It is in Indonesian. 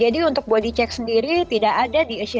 jadi untuk body check sendiri tidak ada di asianary di alam